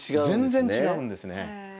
全然違うんですね。